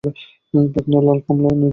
পাখনা লাল ও কমলা-লাল বর্ণের।